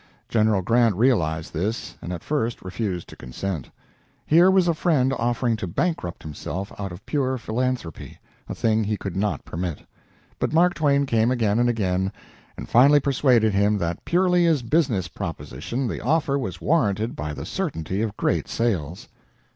General Grant realized this, and at first refused to consent. Here was a friend offering to bankrupt himself out of pure philanthropy, a thing he could not permit. But Mark Twain came again and again, and finally persuaded him that purely as business proposition the offer was warranted by the certainty of great sales.